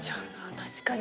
確かに。